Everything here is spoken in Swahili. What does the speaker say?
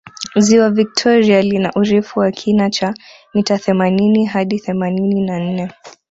ziwa victoria lina urefu wa kina cha mita themanini hadi themanini na nne